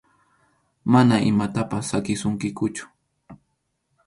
Mana imatapas saqisunkikuchu.